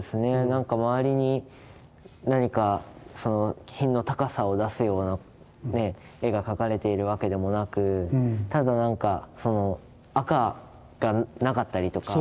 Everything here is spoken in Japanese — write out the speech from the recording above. なんか周りに何かその品の高さを出すような絵が描かれているわけでもなくただなんか赤がなかったりとか。